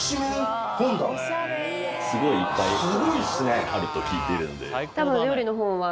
すごいいっぱいあると聞いているんで。